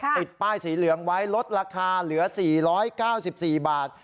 ติดป้ายสีเหลืองไว้ลดราคาเหลือ๔๙๔บาท